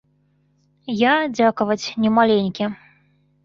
Я, дзякаваць, не маленькі.